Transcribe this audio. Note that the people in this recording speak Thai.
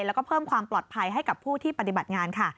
แล้วก็เพิ่มความปลอดภัยให้กับผู้ที่ปฏิบัติงานค่ะ